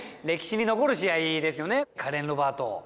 カレンロバート。